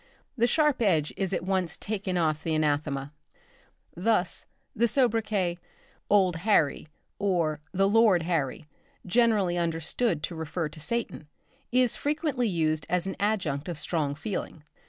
The sharp edge is at once taken off the anathema. Thus the soubriquet "old Harry" or "the Lord Harry" generally understood to refer to Satan, is frequently used as an adjunct of strong feeling.